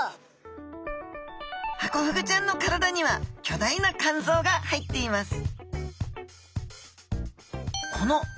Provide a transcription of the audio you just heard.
ハコフグちゃんの体には巨大な肝臓が入っています